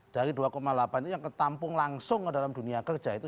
dari dua delapan itu yang ketampung langsung ke dalam dunia kerja itu